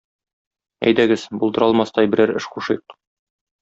Әйдәгез, булдыра алмастай берәр эш кушыйк.